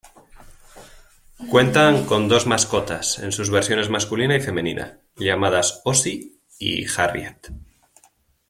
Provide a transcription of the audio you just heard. Cuentan con dos mascotas, en sus versiones masculina y femenina, llamadas Ozzie y Harriet.